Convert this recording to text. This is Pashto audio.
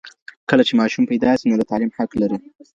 کله چي ماشوم پيدا سي، نو د تعليم حق لري.